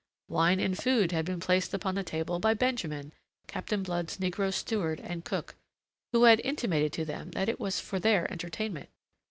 Wine and food had been placed upon the table by Benjamin, Captain Blood's negro steward and cook, who had intimated to them that it was for their entertainment.